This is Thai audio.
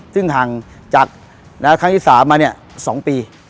ซึ่งห่างจากครั้งที่๓มา๒ปี